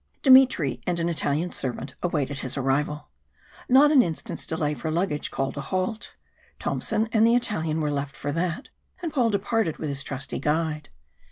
Dmitry and an Italian servant awaited his arrival; not an instant's delay for luggage called a halt. Tompson and the Italian were left for that, and Paul departed with his trusty guide.